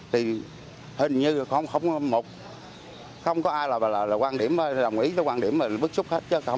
thì hình như không có ai đồng ý với quan điểm bức xúc hết